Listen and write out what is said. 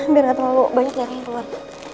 biar nggak terlalu banyak darah yang keluar